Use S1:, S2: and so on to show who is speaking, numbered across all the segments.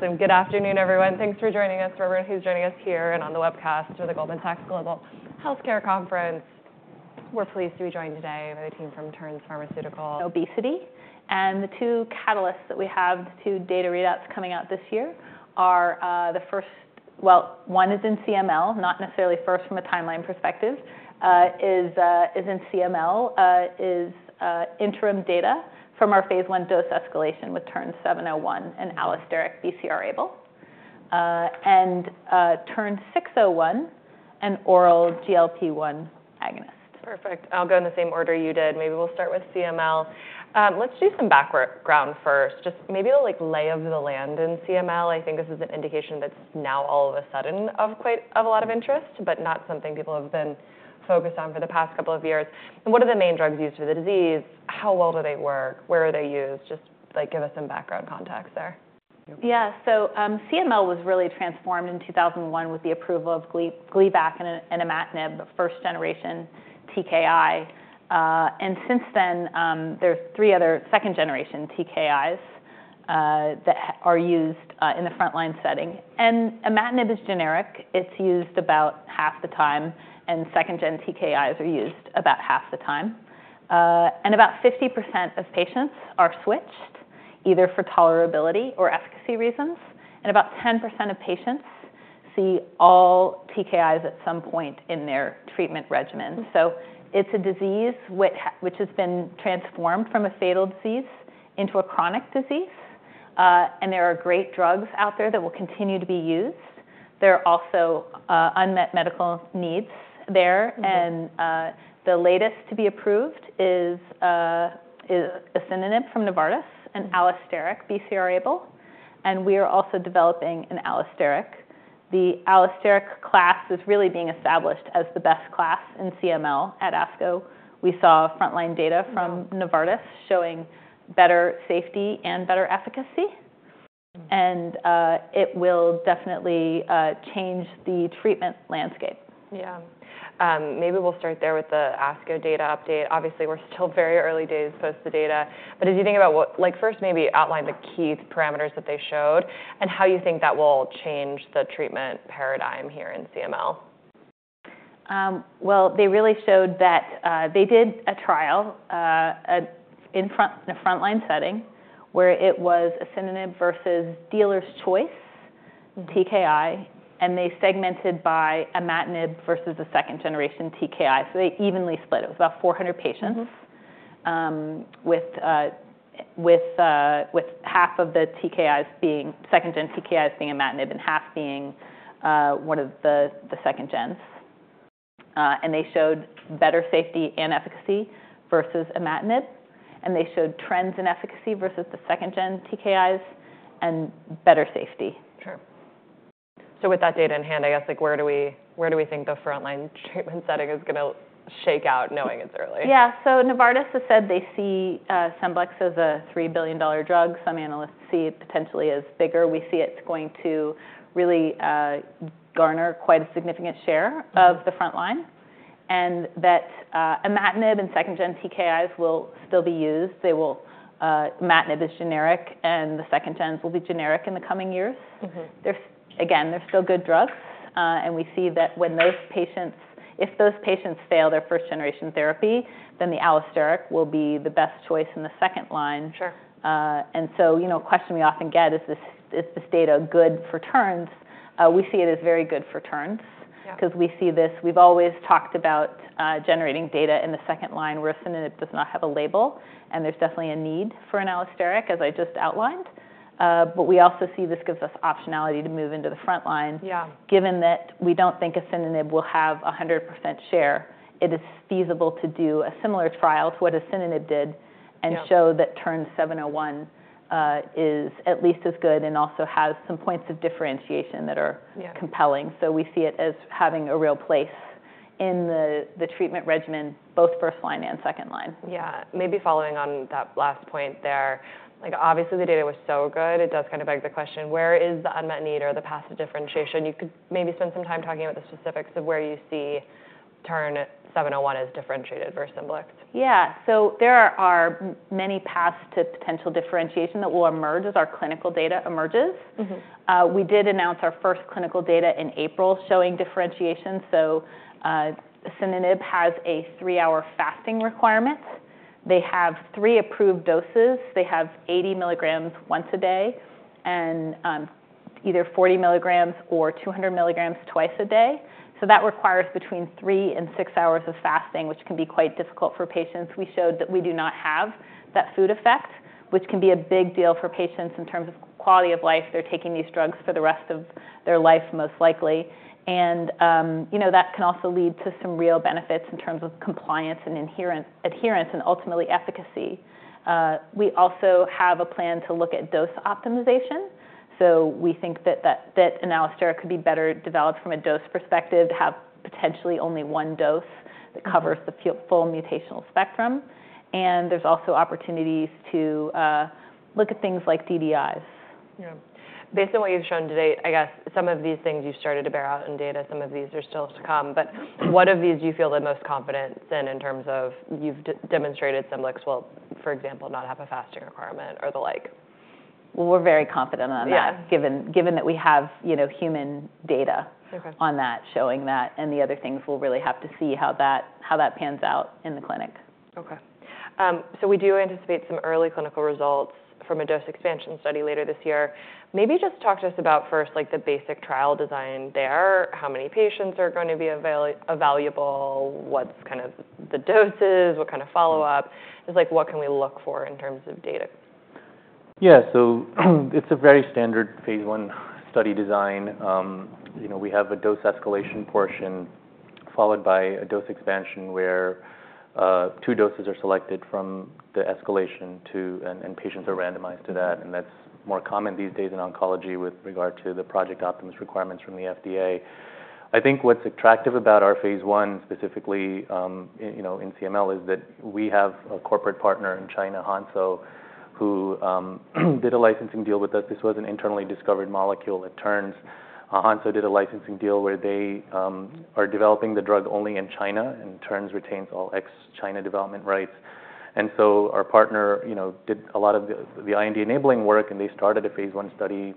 S1: Good afternoon, everyone. Thanks for joining us, for everyone who's joining us here and on the webcast for the Goldman Sachs Global Healthcare Conference. We're pleased to be joined today by the team from Terns Pharmaceuticals.
S2: Obesity. The 2 catalysts that we have, the 2 data readouts coming out this year are the first, well, one is in CML, not necessarily first from a timeline perspective, is in CML, is interim data from our phase I dose escalation with TERN-701 and allosteric BCR-ABL, and TERN-601, an oral GLP-1 agonist.
S1: Perfect. I'll go in the same order you did. Maybe we'll start with CML. Let's do some background first. Just maybe the lay of the land in CML. I think this is an indication that's now all of a sudden of quite a lot of interest, but not something people have been focused on for the past couple of years. And what are the main drugs used for the disease? How well do they work? Where are they used? Just give us some background context there.
S2: Yeah. So CML was really transformed in 2001 with the approval of Gleevec and imatinib, first generation TKI. Since then, there's three other second generation TKIs that are used in the frontline setting. Imatinib is generic. It's used about half the time, and second gen TKIs are used about half the time. About 50% of patients are switched, either for tolerability or efficacy reasons. About 10% of patients see all TKIs at some point in their treatment regimen. So it's a disease which has been transformed from a fatal disease into a chronic disease. There are great drugs out there that will continue to be used. There are also unmet medical needs there. The latest to be approved is asciminib from Novartis, an allosteric BCR-ABL. We are also developing an allosteric. The allosteric class is really being established as the best class in CML at ASCO. We saw frontline data from Novartis showing better safety and better efficacy. It will definitely change the treatment landscape.
S1: Yeah. Maybe we'll start there with the ASCO data update. Obviously, we're still very early days post the data. But if you think about what, first, maybe outline the key parameters that they showed and how you think that will change the treatment paradigm here in CML?
S2: Well, they really showed that they did a trial in a frontline setting where it was asciminib versus dealer's choice TKI, and they segmented by imatinib versus a second generation TKI. So they evenly split it. It was about 400 patients with half of the second gen TKIs being imatinib and half being one of the second gens. And they showed better safety and efficacy versus imatinib. And they showed trends in efficacy versus the second gen TKIs and better safety.
S1: Sure. So with that data in hand, I guess, where do we think the frontline treatment setting is going to shake out knowing it's early?
S2: Yeah. So Novartis has said they see Scemblix as a $3 billion drug. Some analysts see it potentially as bigger. We see it's going to really garner quite a significant share of the frontline. And that imatinib and second gen TKIs will still be used. Imatinib is generic, and the second gens will be generic in the coming years. Again, they're still good drugs. And we see that when those patients, if those patients fail their first generation therapy, then the allosteric will be the best choice in the second line. And so a question we often get is, is this data good for Terns? We see it as very good for Terns because we see this. We've always talked about generating data in the second line where asciminib does not have a label. And there's definitely a need for an allosteric, as I just outlined. But we also see this gives us optionality to move into the frontline. Given that we don't think asciminib will have a 100% share, it is feasible to do a similar trial to what asciminib did and show that TERN-701 is at least as good and also has some points of differentiation that are compelling. So we see it as having a real place in the treatment regimen, both first line and second line.
S1: Yeah. Maybe following on that last point there, obviously the data was so good, it does kind of beg the question, where is the unmet need or the path to differentiation? You could maybe spend some time talking about the specifics of where you see TERN-701 as differentiated versus Scemblix.
S2: Yeah. So there are many paths to potential differentiation that will emerge as our clinical data emerges. We did announce our first clinical data in April showing differentiation. So asciminib has a 3-hour fasting requirement. They have 3 approved doses. They have 80 mg once a day and either 40 mg or 200 mg twice a day. So that requires between 3 and 6 hours of fasting, which can be quite difficult for patients. We showed that we do not have that food effect, which can be a big deal for patients in terms of quality of life. They're taking these drugs for the rest of their life, most likely. And that can also lead to some real benefits in terms of compliance and adherence and ultimately efficacy. We also have a plan to look at dose optimization. So we think that an allosteric could be better developed from a dose perspective to have potentially only one dose that covers the full mutational spectrum. There's also opportunities to look at things like DDIs.
S1: Yeah. Based on what you've shown today, I guess some of these things you've started to bear out in data, some of these are still to come. But what of these do you feel the most confidence in in terms of you've demonstrated Scemblix will, for example, not have a fasting requirement or the like?
S2: Well, we're very confident on that, given that we have human data on that showing that. And the other things we'll really have to see how that pans out in the clinic.
S1: Okay. So we do anticipate some early clinical results from a dose expansion study later this year. Maybe just talk to us about first the basic trial design there, how many patients are going to be available, what's kind of the doses, what kind of follow-up? Just what can we look for in terms of data?
S3: Yeah. So it's a very standard phase I study design. We have a dose escalation portion followed by a dose expansion where 2 doses are selected from the escalation and patients are randomized to that. And that's more common these days in oncology with regard to the Project Optimist requirements from the FDA. I think what's attractive about our phase I, specifically in CML, is that we have a corporate partner in China, Hansoh, who did a licensing deal with us. This was an internally discovered molecule at Terns. Hansoh did a licensing deal where they are developing the drug only in China, and Terns retains all ex-China development rights. And so our partner did a lot of the IND enabling work, and they started a phase I study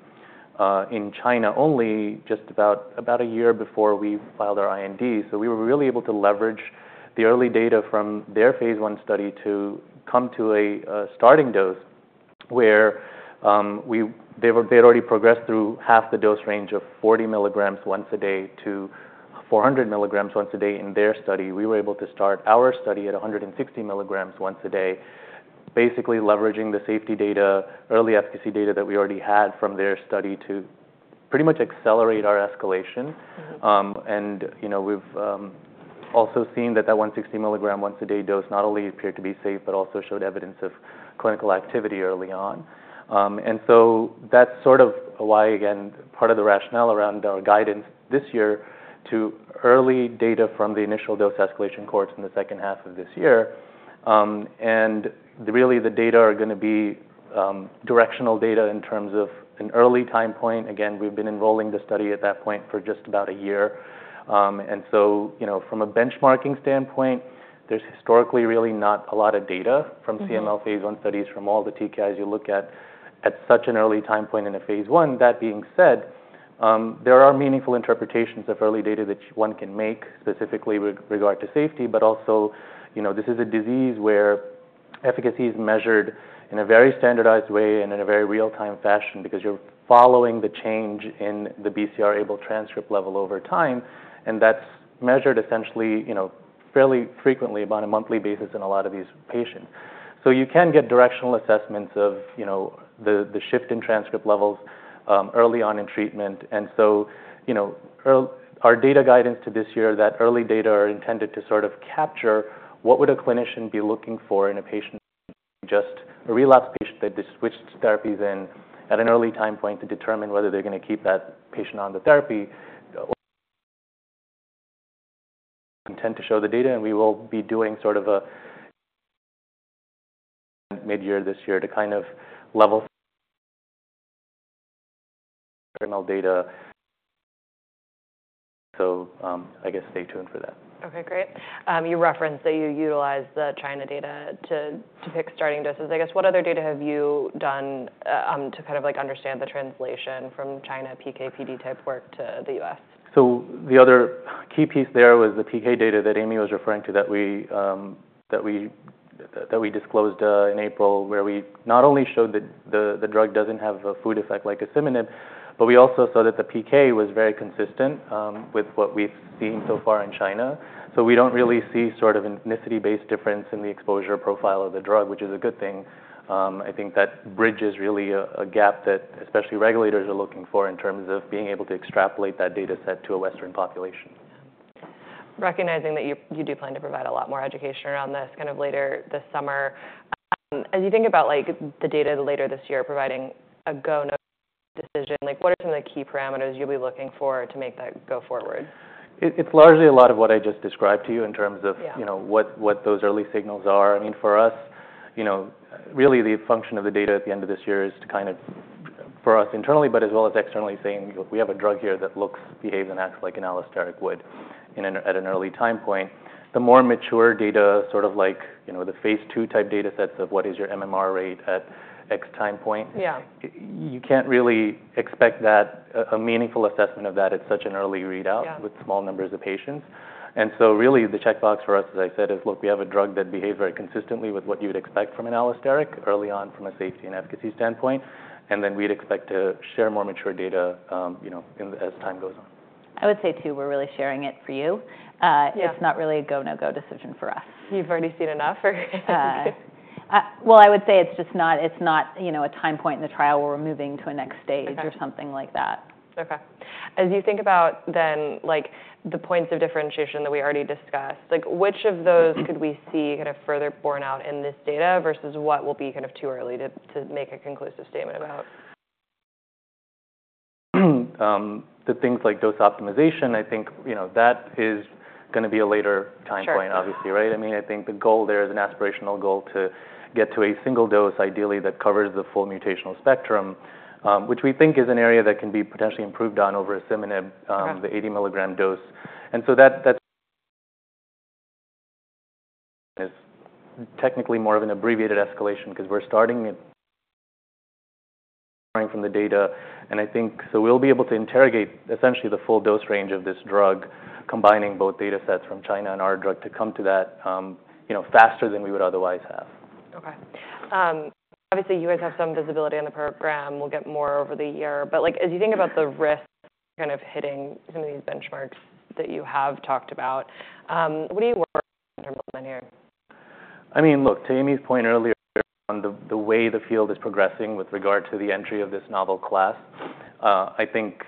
S3: in China only just about a year before we filed our IND. So we were really able to leverage the early data from their phase I study to come to a starting dose where they had already progressed through half the dose range of 40 mg once a day to 400 mg once a day in their study. We were able to start our study at 160 mg once a day, basically leveraging the safety data, early efficacy data that we already had from their study to pretty much accelerate our escalation. And we've also seen that that 160 mg once a day dose not only appeared to be safe, but also showed evidence of clinical activity early on. And so that's sort of why, again, part of the rationale around our guidance this year to early data from the initial dose escalation cohorts in the second half of this year. Really, the data are going to be directional data in terms of an early time point. Again, we've been enrolling the study at that point for just about a year. So from a benchmarking standpoint, there's historically really not a lot of data from CML phase I studies from all the TKIs you look at at such an early time point in a phase I. That being said, there are meaningful interpretations of early data that one can make specifically with regard to safety, but also this is a disease where efficacy is measured in a very standardized way and in a very real-time fashion because you're following the change in the BCR-ABL transcript level over time. That's measured essentially fairly frequently about a monthly basis in a lot of these patients. So you can get directional assessments of the shift in transcript levels early on in treatment. So our data guidance to this year, that early data are intended to sort of capture what would a clinician be looking for in a patient, just a relapse patient that they switched therapies in at an early time point to determine whether they're going to keep that patient on the therapy. Intend to show the data, and we will be doing sort of a mid-year this year to kind of level data. So I guess stay tuned for that.
S1: Okay. Great. You referenced that you utilize the China data to pick starting doses. I guess what other data have you done to kind of understand the translation from China PK/PD type work to the U.S.?
S3: So the other key piece there was the PK data that Amy was referring to that we disclosed in April, where we not only showed that the drug doesn't have a food effect like asciminib, but we also saw that the PK was very consistent with what we've seen so far in China. So we don't really see sort of an ethnicity-based difference in the exposure profile of the drug, which is a good thing. I think that bridges really a gap that especially regulators are looking for in terms of being able to extrapolate that data set to a Western population.
S1: Recognizing that you do plan to provide a lot more education around this kind of later this summer, as you think about the data later this year providing a go decision, what are some of the key parameters you'll be looking for to make that go forward?
S3: It's largely a lot of what I just described to you in terms of what those early signals are. I mean, for us, really the function of the data at the end of this year is to kind of, for us internally, but as well as externally, saying we have a drug here that looks, behaves, and acts like an allosteric would at an early time point. The more mature data, sort of like the phase II type data sets of what is your MMR rate at X time point, you can't really expect a meaningful assessment of that at such an early readout with small numbers of patients. And so really the checkbox for us, as I said, is, look, we have a drug that behaves very consistently with what you'd expect from an allosteric early on from a safety and efficacy standpoint. We'd expect to share more mature data as time goes on.
S1: I would say too, we're really sharing it for you. It's not really a go/no-go decision for us. You've already seen enough.
S2: Well, I would say it's just not a time point in the trial where we're moving to a next stage or something like that.
S1: Okay. As you think about then the points of differentiation that we already discussed, which of those could we see kind of further borne out in this data versus what will be kind of too early to make a conclusive statement about?
S3: The things like dose optimization, I think that is going to be a later time point, obviously, right? I mean, I think the goal there is an aspirational goal to get to a single dose, ideally, that covers the full mutational spectrum, which we think is an area that can be potentially improved on over asciminib, the 80-milligram dose. And so that technically more of an abbreviated escalation because we're starting from the data. And I think so we'll be able to interrogate essentially the full dose range of this drug, combining both data sets from China and our data to come to that faster than we would otherwise have.
S1: Okay. Obviously, you guys have some visibility on the program. We'll get more over the year. But as you think about the risk kind of hitting some of these benchmarks that you have talked about, what do you work in terms of linear?
S3: I mean, look, to Amy's point earlier on the way the field is progressing with regard to the entry of this novel class, I think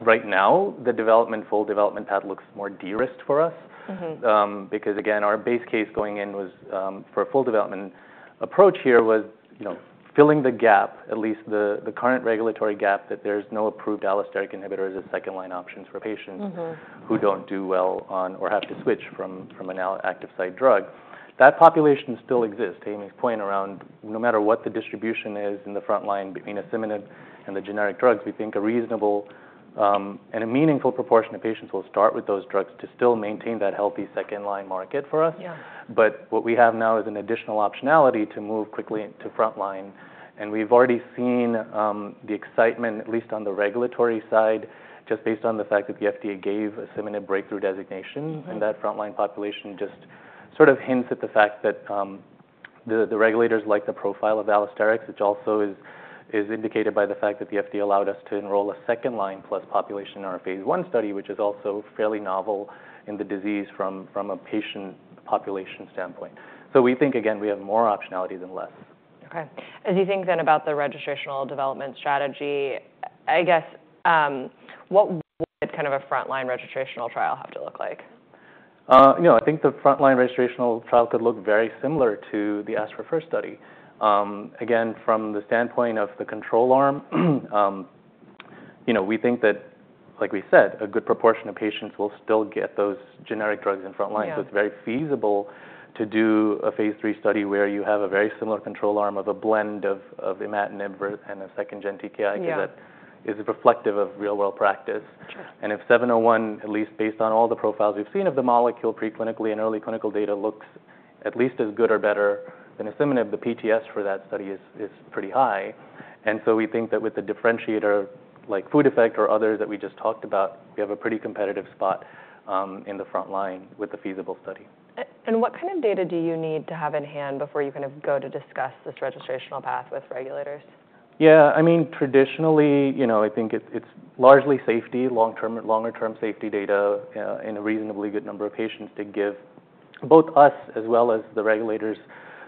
S3: right now the full development path looks more dearest for us because, again, our base case going in for a full development approach here was filling the gap, at least the current regulatory gap that there's no approved allosteric inhibitors as second line options for patients who don't do well on or have to switch from an active site drug. That population still exists. To Amy's point around no matter what the distribution is in the front line between asciminib and the generic drugs, we think a reasonable and a meaningful proportion of patients will start with those drugs to still maintain that healthy second line market for us. But what we have now is an additional optionality to move quickly to front line. We've already seen the excitement, at least on the regulatory side, just based on the fact that the FDA gave a Scemblix breakthrough designation in that front line population just sort of hints at the fact that the regulators like the profile of allosteric, which also is indicated by the fact that the FDA allowed us to enroll a second line plus population in our phase I study, which is also fairly novel in the disease from a patient population standpoint. We think, again, we have more optionality than less.
S1: Okay. As you think then about the registrational development strategy, I guess what would kind of a front line registrational trial have to look like?
S3: I think the front line registrational trial could look very similar to the ASC4FIRST first study. Again, from the standpoint of the control arm, we think that, like we said, a good proportion of patients will still get those generic drugs in front line. So it's very feasible to do a phase III study where you have a very similar control arm of a blend of imatinib and a second gen TKI because that is reflective of real-world practice. And if 701, at least based on all the profiles we've seen of the molecule preclinically and early clinical data, looks at least as good or better than asciminib, the PTS for that study is pretty high. And so we think that with the differentiator like food effect or others that we just talked about, we have a pretty competitive spot in the front line with a feasible study.
S1: What kind of data do you need to have in hand before you kind of go to discuss this registrational path with regulators?
S3: Yeah. I mean, traditionally, I think it's largely safety, longer-term safety data in a reasonably good number of patients to give both us as well as the regulators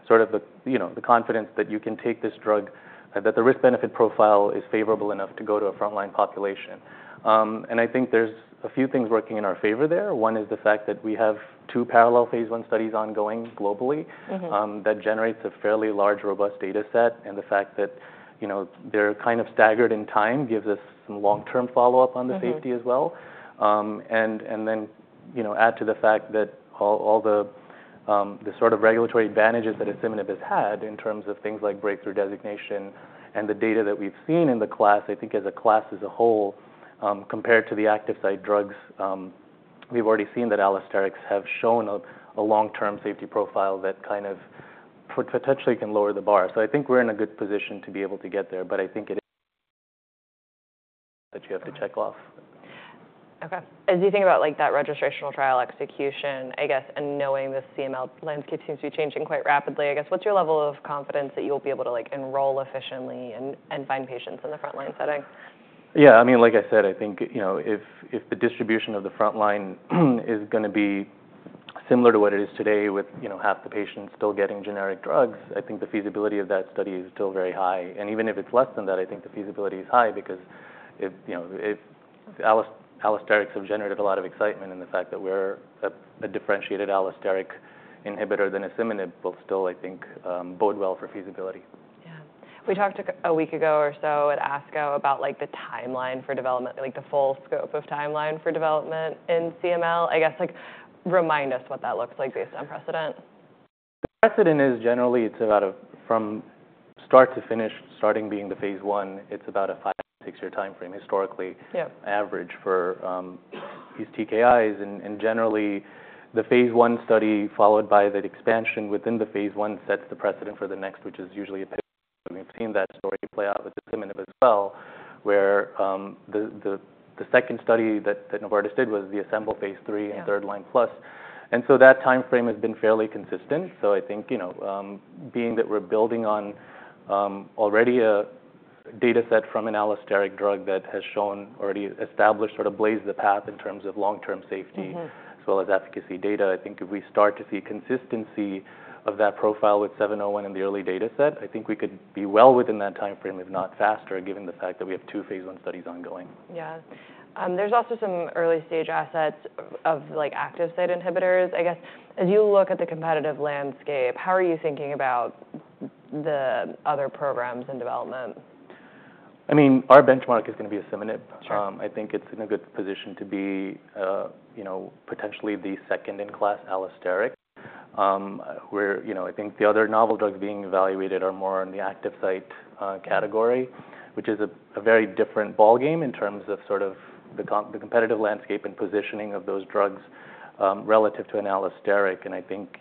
S3: sort of the confidence that you can take this drug, that the risk-benefit profile is favorable enough to go to a front line population. And I think there's a few things working in our favor there. One is the fact that we have two parallel phase I studies ongoing globally that generates a fairly large, robust data set. And the fact that they're kind of staggered in time gives us some long-term follow-up on the safety as well. And then add to the fact that all the sort of regulatory advantages that asciminib has had in terms of things like breakthrough designation and the data that we've seen in the class, I think as a class as a whole, compared to the active site drugs, we've already seen that allosterics have shown a long-term safety profile that kind of potentially can lower the bar. So I think we're in a good position to be able to get there, but I think it is that you have to check off.
S1: Okay. As you think about that registrational trial execution, I guess, and knowing the CML landscape seems to be changing quite rapidly, I guess what's your level of confidence that you'll be able to enroll efficiently and find patients in the front line setting?
S3: Yeah. I mean, like I said, I think if the distribution of the front line is going to be similar to what it is today with half the patients still getting generic drugs, I think the feasibility of that study is still very high. Even if it's less than that, I think the feasibility is high because allosterics have generated a lot of excitement in the fact that we're a differentiated allosteric inhibitor than asciminib, both still, I think, bode well for feasibility.
S1: Yeah. We talked a week ago or so at ASCO about the timeline for development, the full scope of timeline for development in CML. I guess remind us what that looks like based on precedent.
S3: Precedent is generally from start to finish, starting being the phase I, it's about a five to six year time frame historically average for these TKIs. Generally, the phase I study followed by the expansion within the phase I sets the precedent for the next, which is usually a pivot. We've seen that story play out with the synonym as well, where the second study that Novartis did was the ASCEMBL phase III and third line plus. So that time frame has been fairly consistent. So I think being that we're building on already a data set from an allosteric drug that has shown already established sort of blazed the path in terms of long-term safety as well as efficacy data, I think if we start to see consistency of that profile with 701 in the early data set, I think we could be well within that time frame, if not faster, given the fact that we have two phase I studies ongoing.
S1: Yeah. There's also some early stage assets of active site inhibitors. I guess as you look at the competitive landscape, how are you thinking about the other programs and development?
S3: I mean, our benchmark is going to be asciminib. I think it's in a good position to be potentially the second in class allosteric. I think the other novel drugs being evaluated are more in the active site category, which is a very different ball game in terms of sort of the competitive landscape and positioning of those drugs relative to an allosteric. And I think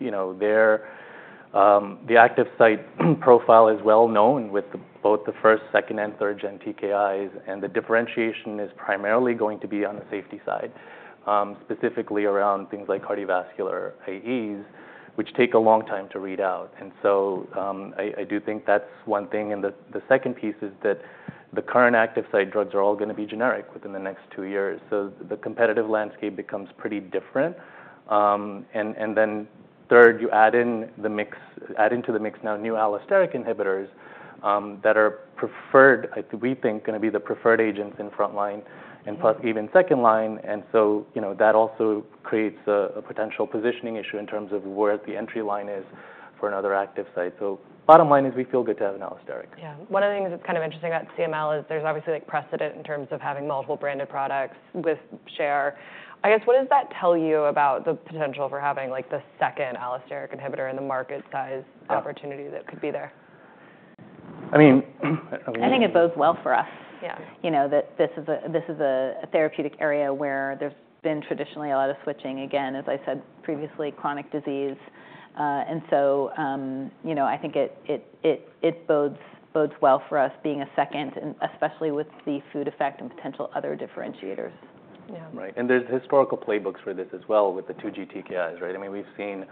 S3: the active site profile is well known with both the first, second, and third gen TKIs, and the differentiation is primarily going to be on the safety side, specifically around things like cardiovascular AEs, which take a long time to read out. And so I do think that's one thing. And the second piece is that the current active site drugs are all going to be generic within the next two years. So the competitive landscape becomes pretty different. And then third, you add into the mix now new allosteric inhibitors that are preferred, we think, going to be the preferred agents in front line and even second line. And so that also creates a potential positioning issue in terms of where the entry line is for another active site. So bottom line is we feel good to have an allosteric.
S1: Yeah. One of the things that's kind of interesting about CML is there's obviously precedent in terms of having multiple branded products with share. I guess what does that tell you about the potential for having the second allosteric inhibitor and the market size opportunity that could be there?
S3: I mean.
S2: I think it bodes well for us. This is a therapeutic area where there's been traditionally a lot of switching. Again, as I said previously, chronic disease. And so I think it bodes well for us being a second, especially with the food effect and potential other differentiators.
S3: Right. And there's historical playbooks for this as well with the two TKIs, right? I mean, we've seen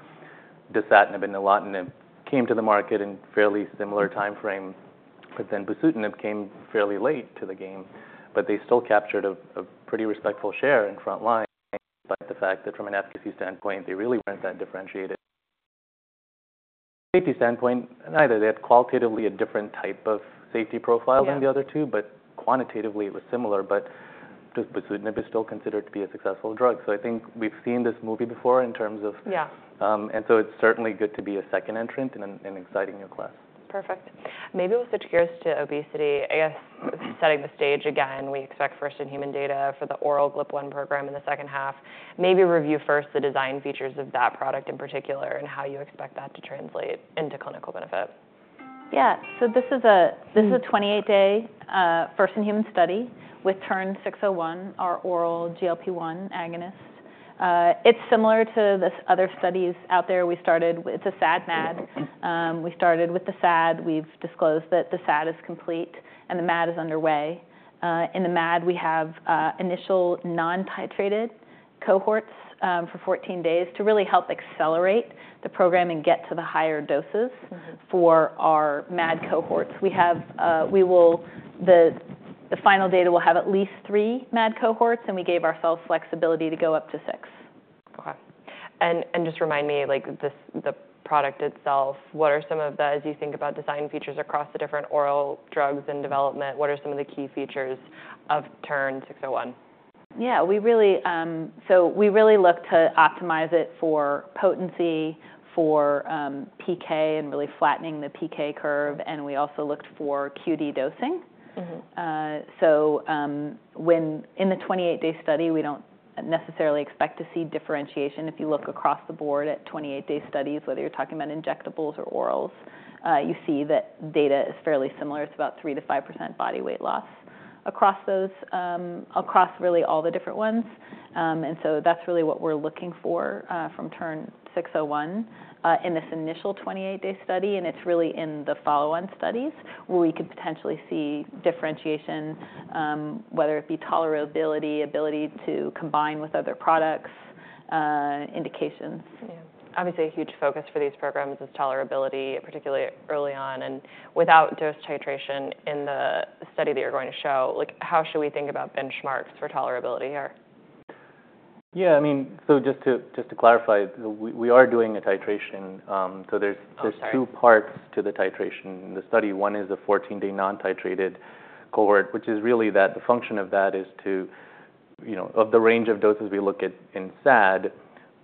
S3: dasatinib and nilotinib came to the market in fairly similar time frame, but then bosutinib came fairly late to the game. But they still captured a pretty respectable share in front line despite the fact that from an efficacy standpoint, they really weren't that differentiated. Safety standpoint, neither. They had qualitatively a different type of safety profile than the other two, but quantitatively it was similar, but bosutinib is still considered to be a successful drug. So I think we've seen this movie before in terms of. And so it's certainly good to be a second entrant in an exciting new class.
S1: Perfect. Maybe we'll switch gears to obesity. I guess setting the stage again, we expect first in human data for the oral GLP-1 program in the second half. Maybe review first the design features of that product in particular and how you expect that to translate into clinical benefit.
S2: Yeah. So this is a 28-day first in human study with TERN-601, our oral GLP-1 agonist. It's similar to this other studies out there. It's a SAD-MAD. We started with the SAD. We've disclosed that the SAD is complete and the MAD is underway. In the MAD, we have initial non-titrated cohorts for 14 days to really help accelerate the program and get to the higher doses for our MAD cohorts. The final data will have at least three MAD cohorts, and we gave ourselves flexibility to go up to six.
S1: Okay. And just remind me the product itself, what are some of the, as you think about design features across the different oral drugs and development, what are some of the key features of TERN-601?
S2: Yeah. So we really looked to optimize it for potency, for PK, and really flattening the PK curve. And we also looked for QD dosing. So in the 28-day study, we don't necessarily expect to see differentiation. If you look across the board at 28-day studies, whether you're talking about injectables or orals, you see that data is fairly similar. It's about 3%-5% body weight loss across really all the different ones. And so that's really what we're looking for from TERN-601 in this initial 28-day study. And it's really in the follow-on studies where we could potentially see differentiation, whether it be tolerability, ability to combine with other products, indications.
S1: Obviously, a huge focus for these programs is tolerability, particularly early on. Without dose titration in the study that you're going to show, how should we think about benchmarks for tolerability here?
S3: Yeah. I mean, so just to clarify, we are doing a titration. There's two parts to the titration in the study. One is a 14-day non-titrated cohort, which is really that the function of that is to, of the range of doses we look at in SAD,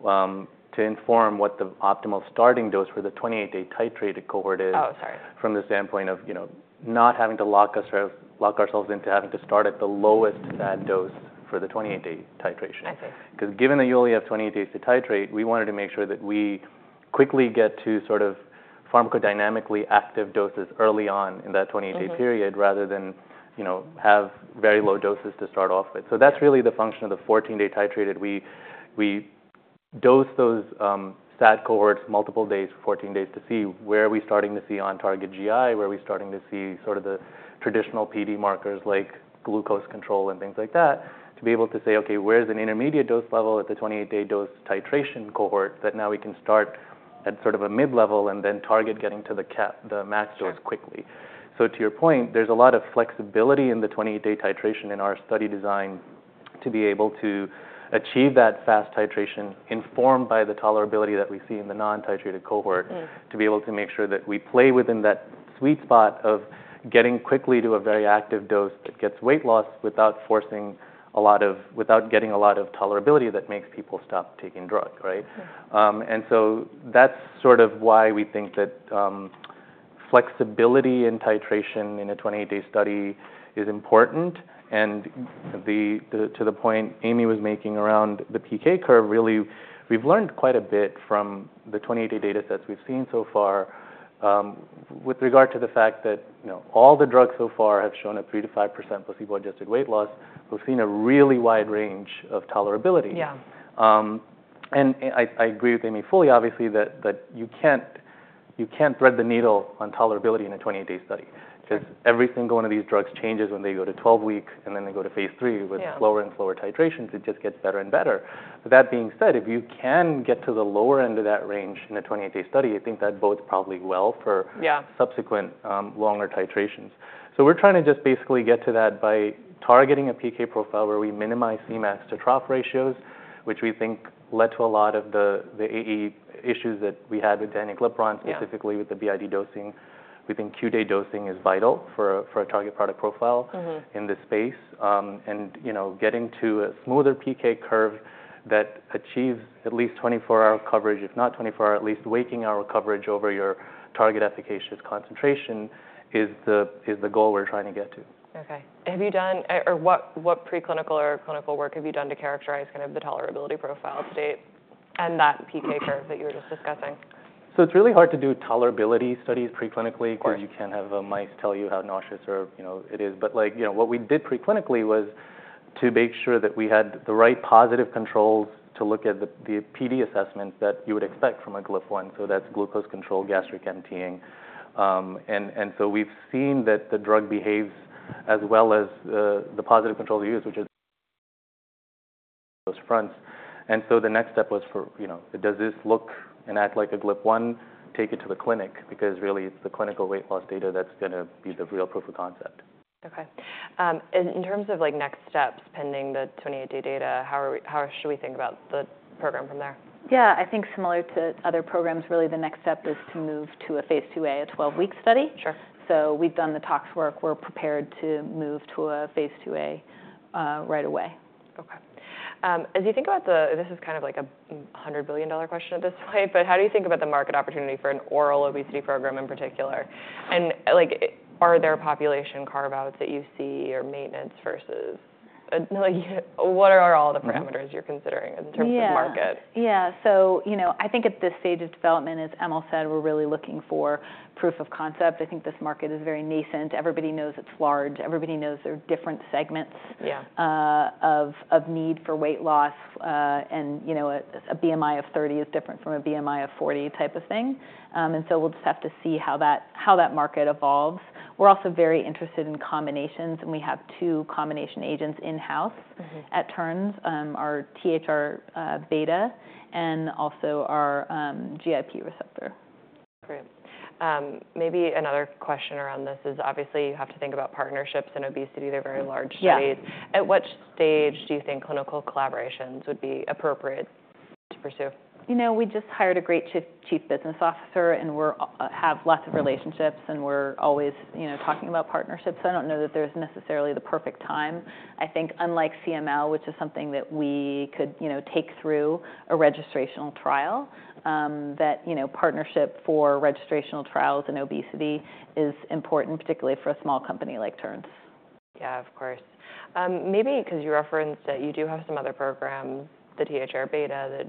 S3: to inform what the optimal starting dose for the 28-day titrated cohort is.
S1: Oh, sorry.
S3: From the standpoint of not having to lock ourselves into having to start at the lowest SAD dose for the 28-day titration. Because given that you only have 28 days to titrate, we wanted to make sure that we quickly get to sort of pharmacodynamically active doses early on in that 28-day period rather than have very low doses to start off with. So that's really the function of the 14-day titration. We dose those SAD cohorts multiple days, 14 days, to see where are we starting to see on target GI, where are we starting to see sort of the traditional PD markers like glucose control and things like that, to be able to say, okay, where's an intermediate dose level at the 28-day dose titration cohort that now we can start at sort of a mid level and then target getting to the max dose quickly. So to your point, there's a lot of flexibility in the 28-day titration in our study design to be able to achieve that fast titration informed by the tolerability that we see in the non-titrated cohort, to be able to make sure that we play within that sweet spot of getting quickly to a very active dose that gets weight loss without forcing a lot of, without getting a lot of tolerability that makes people stop taking drug, right? And so that's sort of why we think that flexibility in titration in a 28-day study is important. And to the point Amy was making around the PK curve, really we've learned quite a bit from the 28-day data sets we've seen so far with regard to the fact that all the drugs so far have shown a 3%-5% placebo-adjusted weight loss. We've seen a really wide range of tolerability. And I agree with Amy fully, obviously, that you can't thread the needle on tolerability in a 28-day study because every single one of these drugs changes when they go to 12-week and then they go to phase III with slower and slower titrations. It just gets better and better. But that being said, if you can get to the lower end of that range in a 28-day study, I think that bodes probably well for subsequent longer titrations. So we're trying to just basically get to that by targeting a PK profile where we minimize Cmax to trough ratios, which we think led to a lot of the AE issues that we had with danuglipron, specifically with the BID dosing. We think QD dosing is vital for a target product profile in this space. Getting to a smoother PK curve that achieves at least 24-hour coverage, if not 24-hour, at least waking hour coverage over your target efficacious concentration is the goal we're trying to get to.
S1: Okay. Have you done, or what preclinical or clinical work have you done to characterize kind of the tolerability profile to date and that PK curve that you were just discussing?
S3: So it's really hard to do tolerability studies preclinically because you can't have a mouse tell you how nauseous it is. But what we did preclinically was to make sure that we had the right positive controls to look at the PD assessment that you would expect from a GLP-1. So that's glucose control, gastric emptying. And so we've seen that the drug behaves as well as the positive controls we use, which is those fronts. And so the next step was for, does this look and act like a GLP-1, take it to the clinic because really it's the clinical weight loss data that's going to be the real proof of concept.
S1: Okay. In terms of next steps pending the 28-day data, how should we think about the program from there?
S2: Yeah. I think similar to other programs, really the next step is to move to phase II-A, a 12-week study. We've done the tox work. We're prepared to move to phase II-A right away.
S1: Okay. As you think about the, this is kind of like a $100 billion question at this point, but how do you think about the market opportunity for an oral obesity program in particular? And are there population carve-outs that you see or maintenance versus, what are all the parameters you're considering in terms of market?
S2: Yeah. So I think at this stage of development, as Emil said, we're really looking for proof of concept. I think this market is very nascent. Everybody knows it's large. Everybody knows there are different segments of need for weight loss. And a BMI of 30 is different from a BMI of 40 type of thing. And so we'll just have to see how that market evolves. We're also very interested in combinations, and we have two combination agents in-house at Terns, our THR beta and also our GIP receptor.
S1: Great. Maybe another question around this is obviously you have to think about partnerships and obesity. They're very large studies. At what stage do you think clinical collaborations would be appropriate to pursue?
S2: You know, we just hired a great chief business officer, and we have lots of relationships, and we're always talking about partnerships. So I don't know that there's necessarily the perfect time. I think unlike CML, which is something that we could take through a registrational trial, that partnership for registrational trials in obesity is important, particularly for a small company like Terns.
S1: Yeah, of course. Maybe because you referenced that you do have some other programs, the THR beta,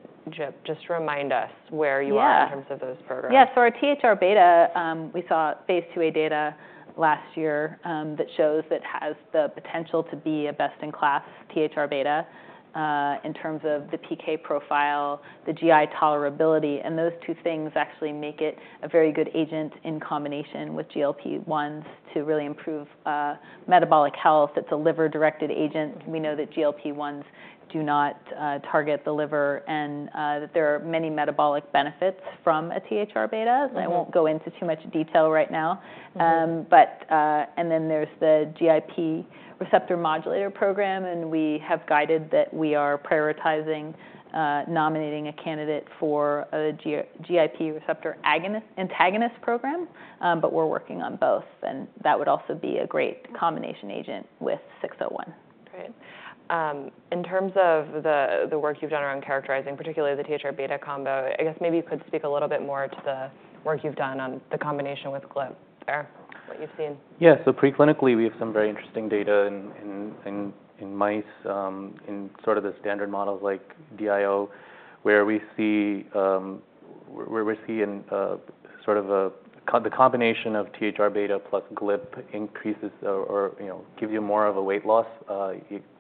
S1: just remind us where you are in terms of those programs?
S2: Yeah. So our THR beta, we phase II-A data last year that shows that has the potential to be a best-in-class THR beta in terms of the PK profile, the GI tolerability. And those two things actually make it a very good agent in combination with GLP-1s to really improve metabolic health. It's a liver-directed agent. We know that GLP-1s do not target the liver and that there are many metabolic benefits from a THR beta. I won't go into too much detail right now. And then there's the GIP receptor modulator program, and we have guided that we are prioritizing nominating a candidate for a GIP receptor antagonist program, but we're working on both. And that would also be a great combination agent with 601.
S1: Great. In terms of the work you've done around characterizing, particularly the THR beta combo, I guess maybe you could speak a little bit more to the work you've done on the combination with GLP there, what you've seen.
S3: Yeah. So preclinically, we have some very interesting data in mice in sort of the standard models like DIO, where we see sort of the combination of THR beta plus GLP increases or gives you more of a weight loss.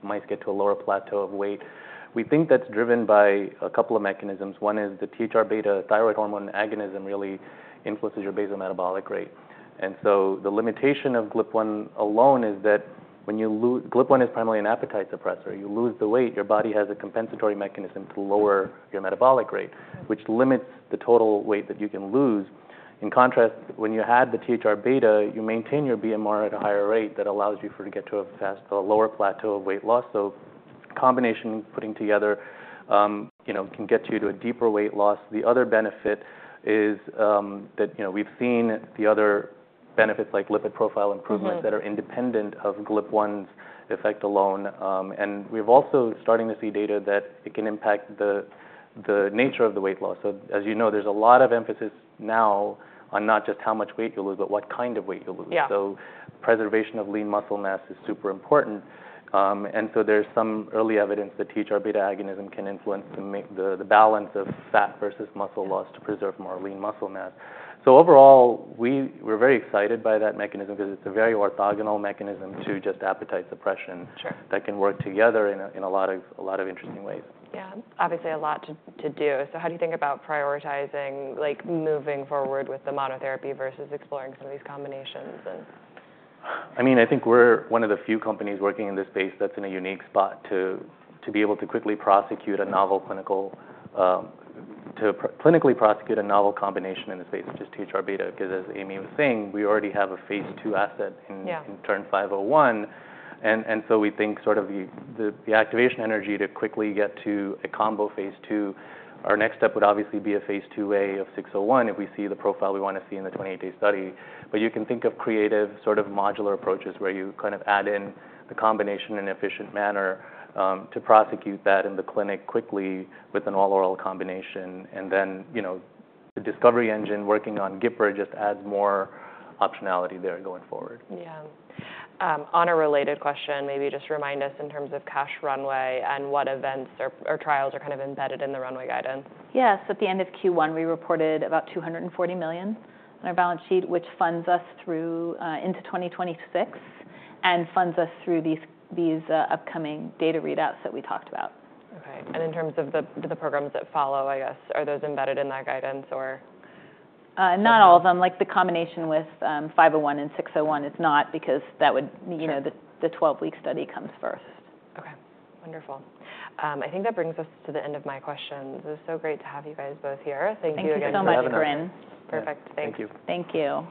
S3: Mice get to a lower plateau of weight. We think that's driven by a couple of mechanisms. One is the THR beta thyroid hormone agonism really influences your basal metabolic rate. And so the limitation of GLP-1 alone is that when GLP-1 is primarily an appetite suppressor, you lose the weight, your body has a compensatory mechanism to lower your metabolic rate, which limits the total weight that you can lose. In contrast, when you had the THR beta, you maintain your BMR at a higher rate that allows you to get to a lower plateau of weight loss. So, combination putting together can get you to a deeper weight loss. The other benefit is that we've seen the other benefits like lipid profile improvements that are independent of GLP-1's effect alone. And we're also starting to see data that it can impact the nature of the weight loss. So as you know, there's a lot of emphasis now on not just how much weight you lose, but what kind of weight you lose. So preservation of lean muscle mass is super important. And so there's some early evidence that THR beta agonism can influence the balance of fat versus muscle loss to preserve more lean muscle mass. So overall, we're very excited by that mechanism because it's a very orthogonal mechanism to just appetite suppression that can work together in a lot of interesting ways.
S1: Yeah. Obviously a lot to do. So how do you think about prioritizing moving forward with the monotherapy versus exploring some of these combinations?
S3: I mean, I think we're one of the few companies working in this space that's in a unique spot to be able to quickly prosecute a novel clinically prosecute a novel combination in the space of just THR beta. Because as Amy was saying, we already have a phase II asset in TERN-501. And so we think sort of the activation energy to quickly get to a combo phase II. Our next step would obviously be phase II-A of TERN-601 if we see the profile we want to see in the 28-day study. But you can think of creative sort of modular approaches where you kind of add in the combination in an efficient manner to prosecute that in the clinic quickly with an all-oral combination. And then the discovery engine working on GIPR just adds more optionality there going forward.
S1: Yeah. On a related question, maybe just remind us in terms of cash runway and what events or trials are kind of embedded in the runway guidance.
S2: Yes. At the end of Q1, we reported about $240 million on our balance sheet, which funds us through into 2026 and funds us through these upcoming data readouts that we talked about.
S1: Okay. In terms of the programs that follow, I guess, are those embedded in that guidance or?
S2: Not all of them. Like the combination with 501 and 601 is not because that would, the 12-week study comes first.
S1: Okay. Wonderful. I think that brings us to the end of my questions. It was so great to have you guys both here. Thank you again for coming.
S2: Thank you so much, Bryn.
S1: Perfect. Thanks.
S3: Thank you.
S2: Thank you.